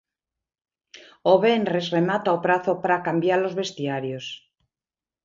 O venres remata o prazo para cambiar os vestiarios.